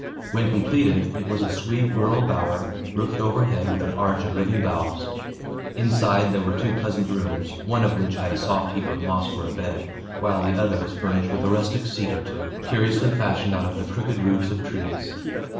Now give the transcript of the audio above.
When completed, it was a sweet rural bower, roofed overhead with an arch of living boughs. Inside there were two pleasant rooms, one of which had a soft heap of moss for a bed, while the other was furnished with a rustic seat or two, curiously fashioned out of the crooked roots of trees.